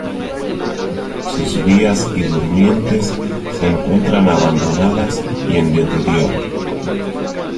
Sus vías y durmientes se encuentran abandonadas y en deterioro.